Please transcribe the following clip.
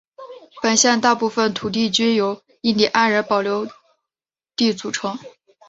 本县大部份土地均由印第安人保留地组成。